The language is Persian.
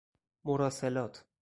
مراسلات